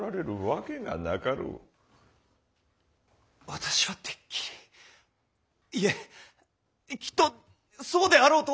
私はてっきりいいえきっとそうであろうと思っておりました！